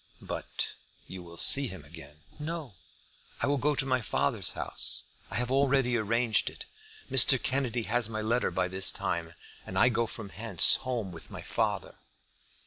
"But you will see him again?" "No; I will go to my father's house. I have already arranged it. Mr. Kennedy has my letter by this time, and I go from hence home with my father."